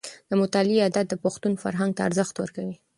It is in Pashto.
د مطالعې عادت د پښتون فرهنګ ته ارزښت ورکوي.